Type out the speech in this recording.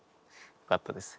よかったです。